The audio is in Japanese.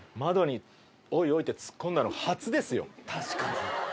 確かに。